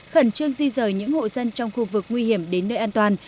khẩn trương di rời những hộ dân trong khu vực nguy hiểm đến nơi an toàn